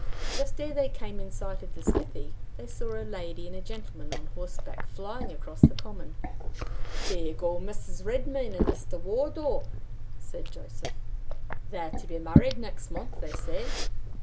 Just ere they came in sight of the smithy, they saw a lady and gentleman on horseback flying across the common. "There go Mrs. Redmain and Mr. Wardour!" said Joseph. "They're to be married next month, they say.